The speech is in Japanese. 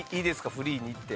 フリーにいって。